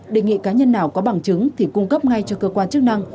đề nghị cá nhân nào có bằng chứng thì cung cấp ngay cho cơ quan chức năng